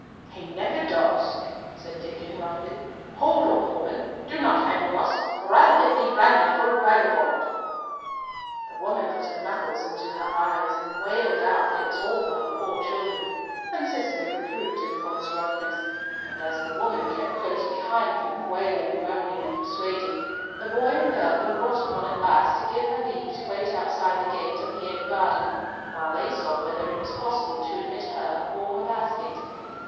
"He never does!" said Diccon, roughly; "hold off, woman, do not hang on us, or I'll get thee branded for a vagabond." The woman put her knuckles into her eyes, and wailed out that it was all for her poor children, and Cicely reproved him for his roughness, and as the woman kept close behind them, wailing, moaning, and persuading, the boy and girl were wrought upon at last to give her leave to wait outside the gate of the inn garden, while they saw whether it was possible to admit her or her basket.